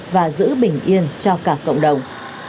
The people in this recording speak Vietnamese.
và giữ bình yên cho cả cộng đồng